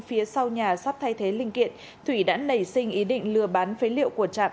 phía sau nhà sắp thay thế linh kiện thủy đã nảy sinh ý định lừa bán phế liệu của trạm